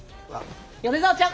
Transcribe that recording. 米沢ちゃん。